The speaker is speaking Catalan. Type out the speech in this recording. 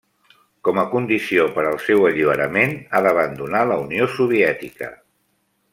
Com a condició per al seu alliberament ha d'abandonar la Unió Soviètica.